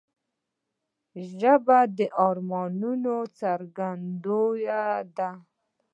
ژبه د ارمانونو څرګندونه ده